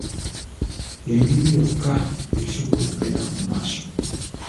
Y'engeri yokka gye tusobola okugenda mu maaso.